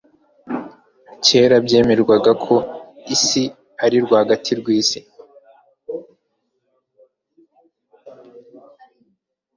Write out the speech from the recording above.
kera byemerwaga ko isi ari rwagati rwisi